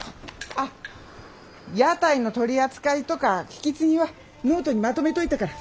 あっ屋台の取り扱いとか引き継ぎはノートにまとめといたから。